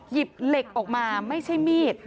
หยิบเหล็กออกมาไม่ใช่มีด